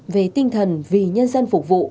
về tinh thần vì nhân dân phục vụ